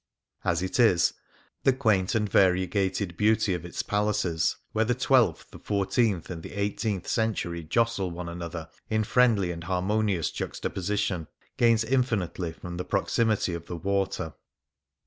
As it is, the quaint and variegated beauty of its palaces, where the twelfth, the fourteenth, and the eighteenth century jostle one another in friendly and harmonious juxtaposition, gains indefinitely from the proximity of the water.